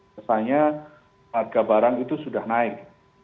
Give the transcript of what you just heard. kesannya harga barang itu sudah naik